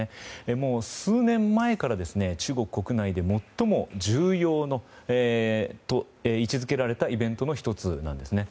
もう、数年前から中国国内で最も重要と位置付けられたイベントの１つなんですね。